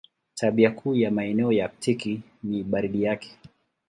Tabia kuu ya maeneo ya Aktiki ni baridi yake.